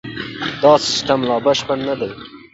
دا سیستم لا بشپړ نه دی.